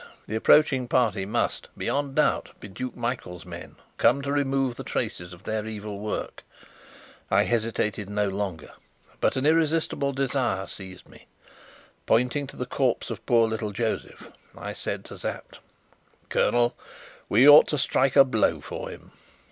The approaching party must, beyond doubt, be Duke Michael's men, come to remove the traces of their evil work. I hesitated no longer, but an irresistible desire seized me. Pointing to the corpse of poor little Josef, I said to Sapt: "Colonel, we ought to strike a blow for him!"